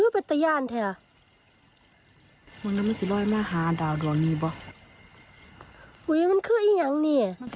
เบิร์ตหรือเขาเมฆ